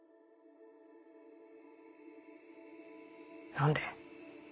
何で？